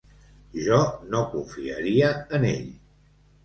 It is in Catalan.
Jo no confiaria en ell.